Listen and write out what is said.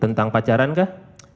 tentang pacaran kah